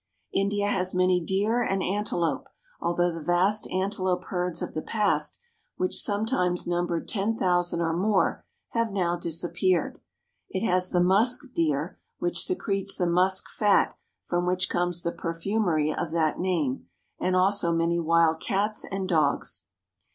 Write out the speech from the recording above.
India has many deer and antelope, although the vast antelope herds of the past, which sometimes numbered ten Rhinoceros. thousand or more, have now disappeared. It has the musk deer, which secretes the musk fat from which comes the perfumery of that name, and also many wild cats and dogs.